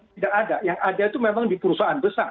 tidak ada yang ada itu memang di perusahaan besar